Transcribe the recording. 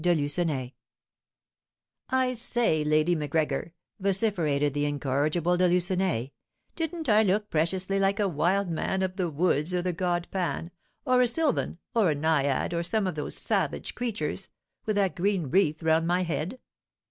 de Lucenay. "I say, Lady Macgregor," vociferated the incorrigible De Lucenay, "didn't I look preciously like a wild man of the woods, or the god Pan, or a sylvan, or a naiad, or some of those savage creatures, with that green wreath round my head?